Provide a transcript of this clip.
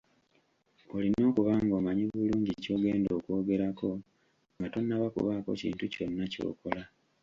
Olina okuba ng’omanyi bulungi ky’ogenda okw’ogerako nga tonnaba kubaako kintu kyonna ky’okola.